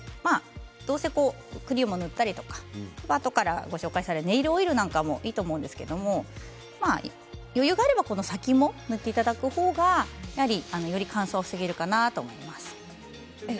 クリームを塗ったりとかあとからご紹介されるネイルオイルもいいと思うんですが、余裕があれば先も塗っていただく方がより乾燥を防げるかなと思います。